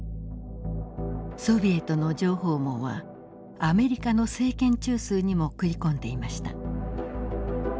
ソビエトの情報網はアメリカの政権中枢にも食い込んでいました。